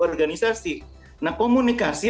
organisasi nah komunikasi